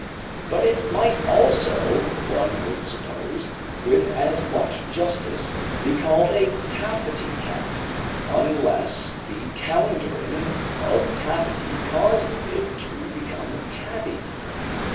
But it might also, one would suppose, with as much justice, be called a taffety cat, unless the calendering of "taffety" caused it to become "tabby."